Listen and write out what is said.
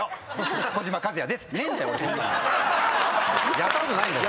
やったことないんだよ。